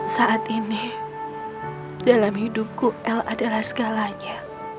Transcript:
saat ini dalam hidupku l adalah segalanya